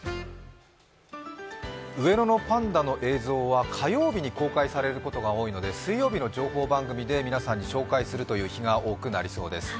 上野のパンダの映像は火曜日に公開されることが多いので水曜日の情報番組で皆さんに紹介するという日が多くなりそうです。